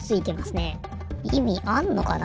いみあんのかな？